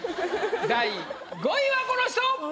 第５位はこの人！